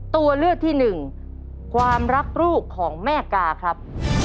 ตัวเลือกที่หนึ่งความรักลูกของแม่กาครับ